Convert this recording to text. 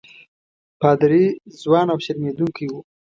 پادري ځوان او شرمېدونکی وو.